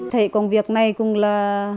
thấy công việc này cũng là